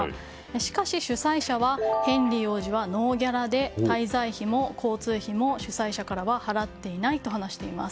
しかし主催者はヘンリー王子はノーギャラで滞在費も交通費も主催者からは払っていないと話しています。